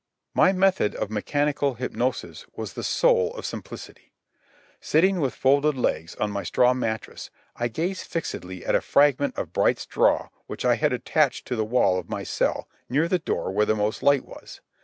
My method of mechanical hypnosis was the soul of simplicity. Sitting with folded legs on my straw mattress, I gazed fixedly at a fragment of bright straw which I had attached to the wall of my cell near the door where the most light was.